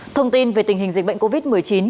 thông tin về tình hình dịch bệnh covid một mươi chín